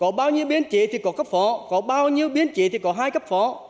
có bao nhiêu biên chế thì có cấp phó có bao nhiêu biên chế thì có hai cấp phó